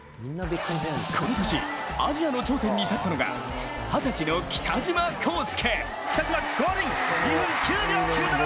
この年、アジアの頂点に立ったのが二十歳の北島康介。